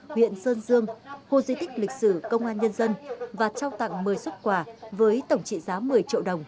huyện sơn dương khu di tích lịch sử công an nhân dân và trao tặng một mươi xuất quà với tổng trị giá một mươi triệu đồng